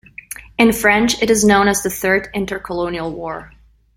In French, it is known as the Third Intercolonial War.